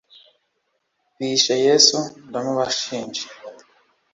bishe yesu ndamubashinje